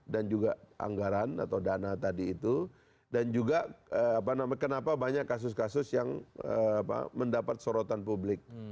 dan juga anggaran atau dana tadi itu dan juga kenapa banyak kasus kasus yang mendapat sorotan publik